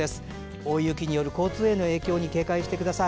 大雪による交通への影響に警戒してください。